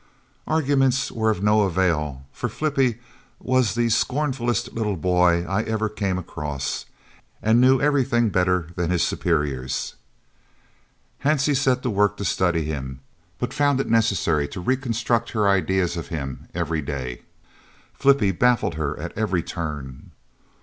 Arguments were of no avail, for Flippie was the scornfullest little boy I ever came across and knew everything better than his superiors. Hansie set to work to study him, but found it necessary to reconstruct her ideas of him every day. Flippie baffled her at every turn.